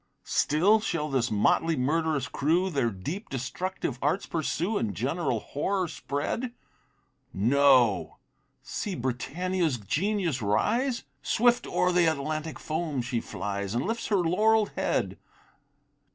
Still shall this motley, murderous crew Their deep, destructive arts pursue, And general horror spread? No see Britannia's genius rise! Swift o'er the Atlantic foam she flies And lifts her laurell'd head!